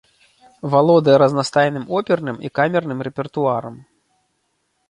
Валодае разнастайным оперным і камерным рэпертуарам.